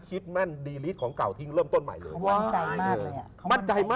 ชิดแม่นดีลิตของเก่าทิ้งเริ่มต้นใหม่เลย